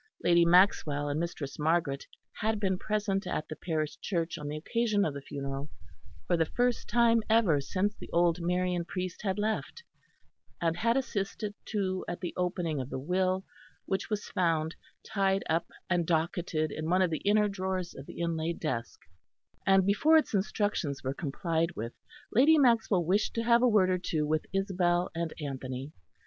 Lady Maxwell and Mistress Margaret had been present at the parish church on the occasion of the funeral, for the first time ever since the old Marian priest had left; and had assisted too at the opening of the will, which was found, tied up and docketed in one of the inner drawers of the inlaid desk; and before its instructions were complied with, Lady Maxwell wished to have a word or two with Isabel and Anthony.